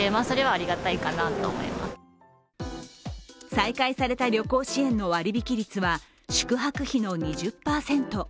再開された旅行支援の割引率は宿泊費の２０％。